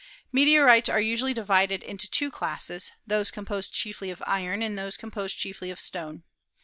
Meteorites are usually divided into two classes, those composed chiefly of iron and those composed chiefly of stone.